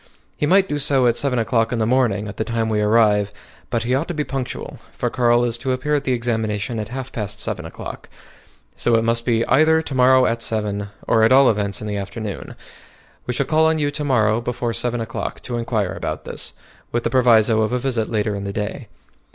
He might do so at seven o'clock in the morning, at the time we arrive; but he ought to be punctual, for Carl is to appear at the examination at half past seven o'clock. So it must be either to morrow at seven, or at all events in the afternoon. We shall call on you to morrow before seven o'clock to inquire about this, with the proviso of a visit later in the day.